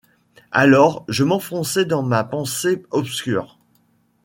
Alors je m'enfonçai dans ma pensée obscure